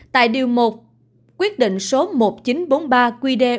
tại điều một quyết định số một nghìn chín trăm bốn mươi ba quy định